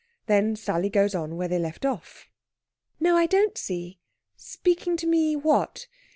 Then Sally goes on where they left off: "No, I don't see. Speaking to me, what?